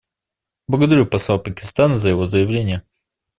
Благодарю посла Пакистана за его заявление.